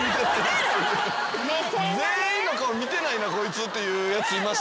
全員の顔見てないなこいつっていうやついましたよね。